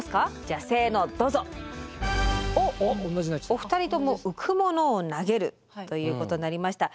お二人とも「浮く物を投げる」。ということになりました。